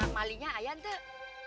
malinya ayan tuh